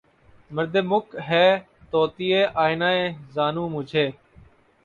مردمک ہے طوطئِ آئینۂ زانو مجھے